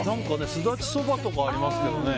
スダチそばとかありますけどね。